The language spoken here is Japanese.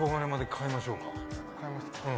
買いますか。